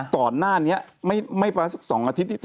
ตอนหน้านี้ไม่ถึง๒อาทิตย์